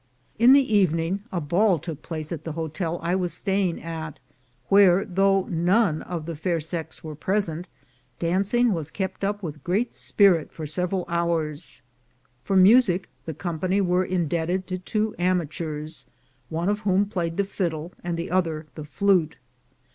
In the evening, a ball took place at the hotel I was staying at, where, though none of the fair sex were present, dancing was kept up with great spirit for several hours. For music the 'company were in debted to two amateurs, one of whom played the fiddle and the other the flute.